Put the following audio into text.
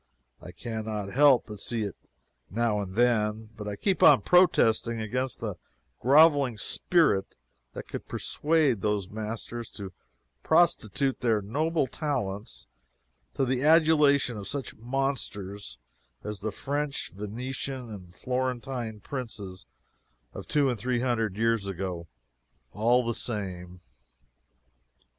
I can not help but see it, now and then, but I keep on protesting against the groveling spirit that could persuade those masters to prostitute their noble talents to the adulation of such monsters as the French, Venetian and Florentine Princes of two and three hundred years ago, all the same.